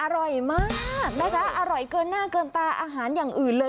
อร่อยมากนะคะอร่อยเกินหน้าเกินตาอาหารอย่างอื่นเลย